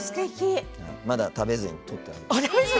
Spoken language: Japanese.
まだ食べずに、とってあります。